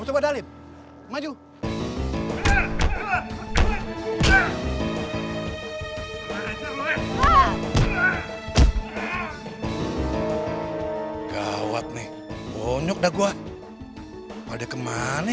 kita berantem di belakang